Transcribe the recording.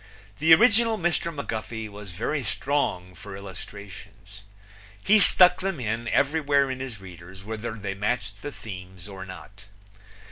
The original Mr. McGuffey was very strong for illustrations. He stuck them in everywhere in his readers, whether they matched the themes or not.